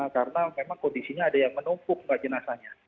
karena memang kondisinya ada yang menumpuk mbak jenazahnya